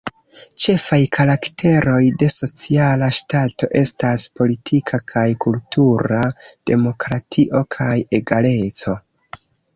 Ĉefaj karakteroj de Sociala Ŝtato estas politika kaj kultura demokratio kaj egaleco.